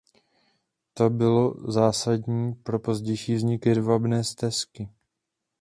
To bylo zásadní pro pozdější vznik Hedvábné stezky.